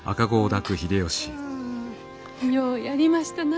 ようやりましたな